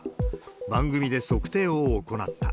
番組で測定を行った。